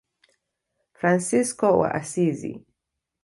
Fransisko wa Asizi.